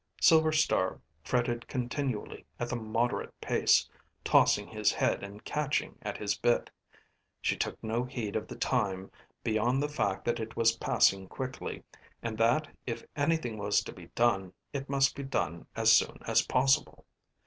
Silver Star fretted continually at the moderate pace, tossing his head and catching at his bit. She took no heed of the time beyond the fact that it was passing quickly, and that if anything was to be done it must be done as soon as possible.